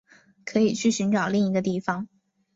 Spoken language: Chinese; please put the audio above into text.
可以去寻找另一个地方